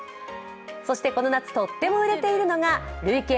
そしてこの夏、とっても売れているのが累計